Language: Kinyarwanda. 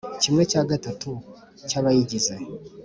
kimwe cya gatatu cy abayigize.